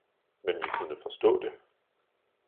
men vi kunne forstaae det!